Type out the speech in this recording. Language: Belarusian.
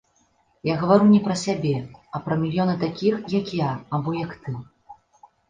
Я гавару не пра сябе, а пра мільёны такіх, як я, або як ты.